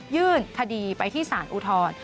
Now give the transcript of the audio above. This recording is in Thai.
ยื่นคดีไปที่สารอุทธร